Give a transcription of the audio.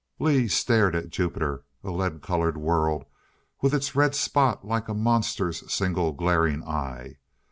Lee stared at Jupiter, a lead colored world with its red spot like a monster's single glaring eye.